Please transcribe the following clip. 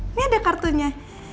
ini ada kartunya